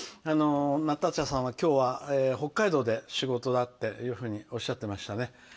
ナターシャさんは今日は北海道で仕事だというふうにおっしゃってましたね。